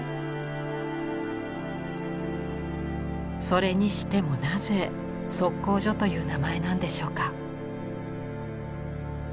それにしてもなぜ「測候所」という名前なんでしょうか。